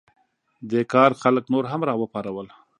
دې کار خلک نور هم راوپارول.